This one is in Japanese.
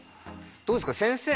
どうですか先生